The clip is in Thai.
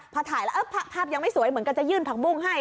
พอถ่ายแล้วภาพยังไม่สวยเหมือนกันจะยื่นผักบุ้งให้